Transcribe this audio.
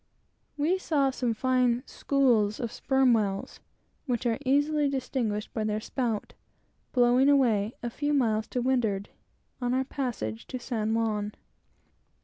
We saw some fine "schools" of sperm whales, which are easily distinguished by their spout, blowing away, a few miles to windward, on our passage to San Juan.